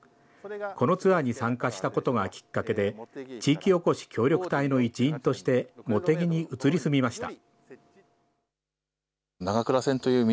このツアーに参加したことがきっかけで、地域おこし協力隊の一員として、茂木に移り住みました。